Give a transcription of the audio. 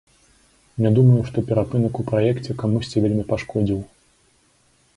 Не думаю, што перапынак у праекце камусьці вельмі пашкодзіў.